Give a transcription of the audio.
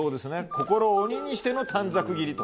心を鬼にしての短冊切りと。